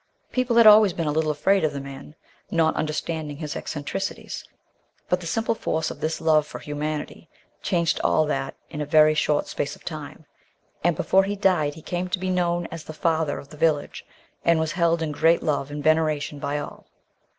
People had always been a little afraid of the man, not understanding his eccentricities, but the simple force of this love for humanity changed all that in a very short space of time; and before he died he came to be known as the Father of the Village and was held in great love and veneration by all.